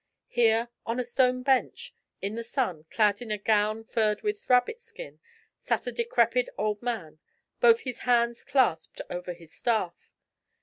Here, on a stone bench, in the sun, clad in a gown furred with rabbit skin, sat a decrepit old man, both his hands clasped over his staff.